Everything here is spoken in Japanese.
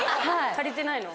足りてないの？